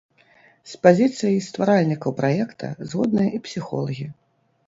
З пазіцыяй стваральнікаў праекта згодныя і псіхолагі.